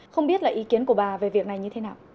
không biết là ý kiến của bà về việc này như thế nào